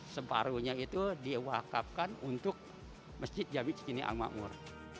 separuhnya itu diwakafkan untuk masjid jamik cikini al maqmur